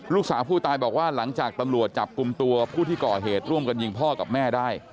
ลูกสาวผู้ตายบอกว่าหลังจากตำรวจจับกลุ่มตัวผู้ที่ก่อเหตุร่วมกันยิงพ่อกับแม่ได้